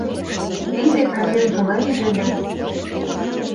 Тиде капем-кылемже да